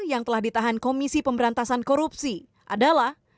yang telah ditahan komisi pemberantasan korupsi adalah